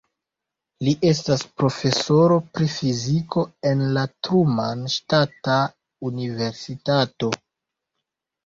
Li estas profesoro pri fiziko en la Truman Ŝtata Universitato.